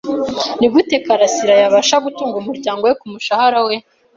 Nigute Karasirayabasha gutunga umuryango kumushahara we?